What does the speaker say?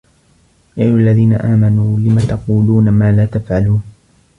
يا أَيُّهَا الَّذينَ آمَنوا لِمَ تَقولونَ ما لا تَفعَلونَ